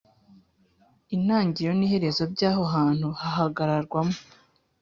Intangiriro n'iherezo by'aho hantu hahagararwamo